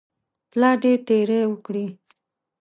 پلار دې تیری وکړي.